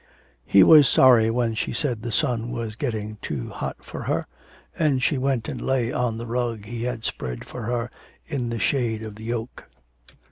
He was sorry when she said the sun was getting too hot for her, and she went and lay on the rug he had spread for her in the shade of the oak.